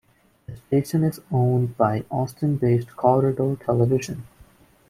The station is owned by Austin-based Corridor Television.